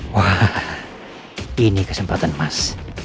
wah ini kesempatan mas